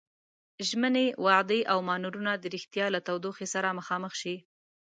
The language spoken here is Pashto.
ژمنې، وعدې او مانورونه د ريښتيا له تودوخې سره مخامخ شي.